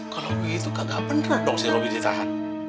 kalau begitu kagak bener dong si robby ditahan